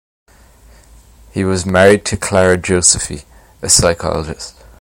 He was married to Clara Joseephy, a psychologist.